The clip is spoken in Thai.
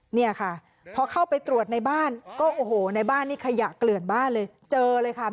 เนี่ยค่ะพอเข้าไปตรวจในบ้านก็โอ้โหในบ้านนี่ขยะเกลื่อนบ้านเลยเจอเลยค่ะ